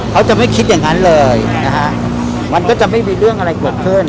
เขาจะไม่คิดอย่างนั้นเลยนะฮะมันก็จะไม่มีเรื่องอะไรเกิดขึ้น